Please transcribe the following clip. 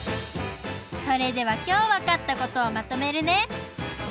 それではきょうわかったことをまとめるね。